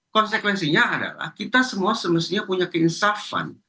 konsekuensinya adalah kita semua semestinya punya keinsafan